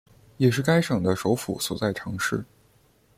也是该省的首府所在城市。